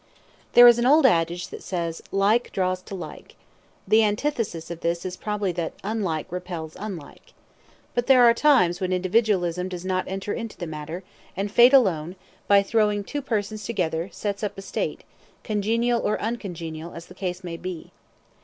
There is an old adage that says "Like draws to like." The antithesis of this is probably that "Unlike repels unlike." But there are times when individualism does not enter into the matter, and Fate alone, by throwing two persons together, sets up a state, congenial or uncongenial, as the case may be.